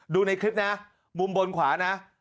ดูในคลิปนะมุมบนขวานะ